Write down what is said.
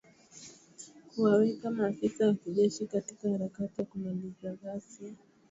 Na kuwaweka maafisa wa kijeshi katika harakati za kumaliza ghasia